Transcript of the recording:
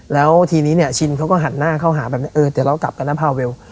แล้วทีนี้เนี่ยชินเขาก็หันหน้าเข้าหาแบบนี้เออเดี๋ยวเรากลับกันนะพาเวล